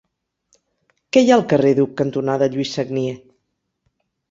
Què hi ha al carrer Duc cantonada Lluís Sagnier?